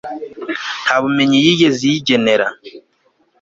nta bumenyi yigeze iyigenera